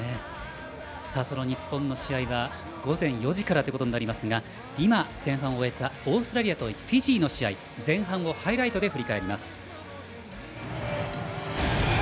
その日本の試合は午前４時からとなりますが今、前半を終えたオーストラリアとフィジーの試合前半をハイライトで振り返ります。